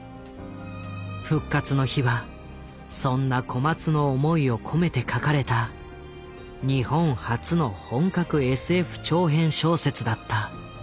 「復活の日」はそんな小松の思いを込めて書かれた日本初の本格ＳＦ長編小説だった。